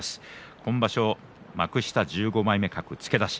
今場所幕下１５枚目格付け出し。